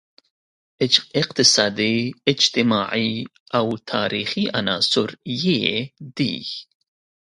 اقتصادي، اجتماعي او تاریخي عناصر یې دي.